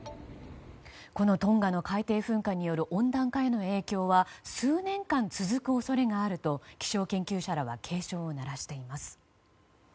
このトンガの海底噴火による温暖化への影響は数年間続く恐れがあると気象研究者らは警鐘を鳴らしています。